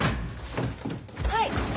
はい。